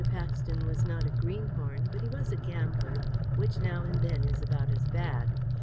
Paxton was not a greenhorn, but he was a gambler, which now and then is about as bad.